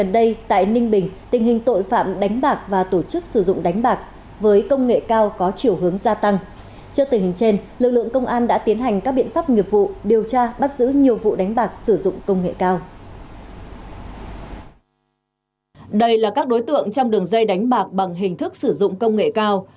đây là các đối tượng trong đường dây đánh bạc bằng hình thức sử dụng công nghệ cao